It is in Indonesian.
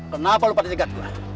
kenapa lu pada ngegat gue